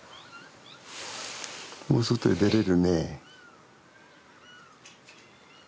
もう外へ出れるね。